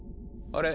あれ？